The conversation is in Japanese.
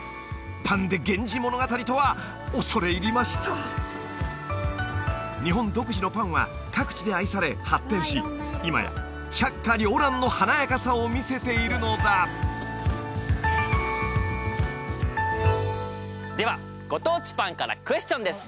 パンで「源氏物語」とは恐れ入りました日本独自のパンは各地で愛され発展し今や百花りょう乱の華やかさを見せているのだではご当地パンからクエスチョンです